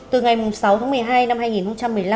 từ ngày sáu tháng một mươi hai năm hai nghìn một mươi năm